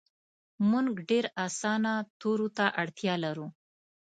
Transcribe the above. مونږ ډیر اسانه تورو ته اړتیا لرو